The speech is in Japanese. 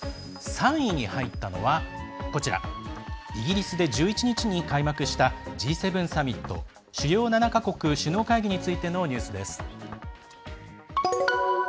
３位に入ったのはイギリスで１１日に開幕したＧ７サミット＝主要７か国首脳会議についてのニュースです。